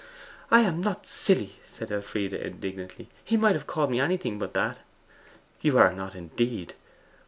'I am not "silly"!' said Elfride indignantly. 'He might have called me anything but that.' 'You are not, indeed.